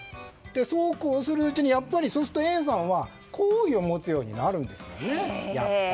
そうこうするうちにＡさんは好意を持つようになるんですよね。